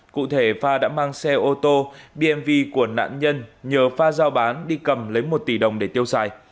cụ thể phan đã mang xe ô tô bmw của nạn nhân nhờ phan giao bán đi cầm lấy một tỷ đồng để tiêu xài